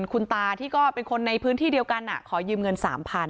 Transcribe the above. คุณตาที่ก็เป็นคนในพื้นที่เดียวกันขอยืมเงิน๓๐๐